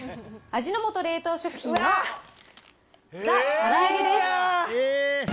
味の素冷凍食品のザ・から揚げです。